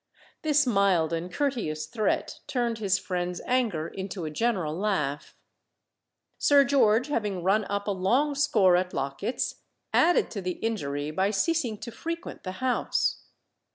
This mild and courteous threat turned his friends' anger into a general laugh. Sir George having run up a long score at Locket's, added to the injury by ceasing to frequent the house.